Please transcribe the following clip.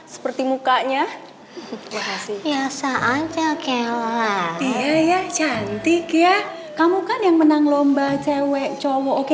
seperti mukanya itu biasa aja kela iya ya cantik ya kamu kan yang menang lomba cewek cowok